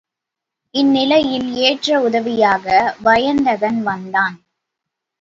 இந்நிலையில் ஏற்ற உதவியாக வயந்தகன் வந்தான்.